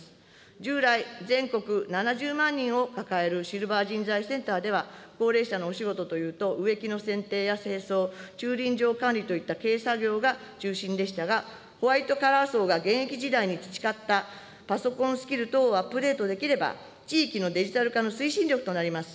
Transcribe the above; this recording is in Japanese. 従来、全国７０万人を抱えるシルバー人材センターでは、高齢者のお仕事というと、植木のせんていや清掃、駐輪場管理といった軽作業が中心でしたが、ホワイトカラー層が現役時代に培ったパソコンスキル等をアップデートできれば、地域のデジタル化の推進力となります。